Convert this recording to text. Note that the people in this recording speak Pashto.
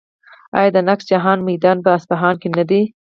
آیا د نقش جهان میدان په اصفهان کې نه دی؟